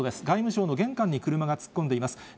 外務省の玄関に車が突っ込んでいます。